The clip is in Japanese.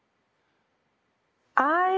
はい。